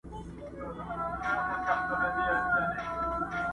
پروت کلچه وهلی پرې ښامار د نا پوهۍ کنې،